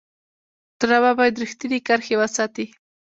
ډرامه باید رښتینې کرښې وساتي